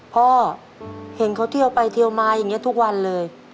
พ่อเห็นเขาเที่ยวไปเที่ยวมาอย่างนี้ทุกวันเลย